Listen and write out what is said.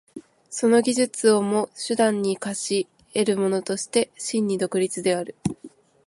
その技術をも手段に化し得るものとして真に独立である。